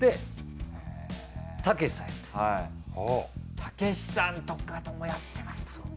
たけしさんとかともやってましたもんね。